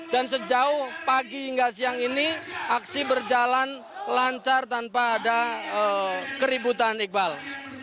dan sejauh pagi hingga siang ini aksi berjalan lancar tanpa ada keributan iqbal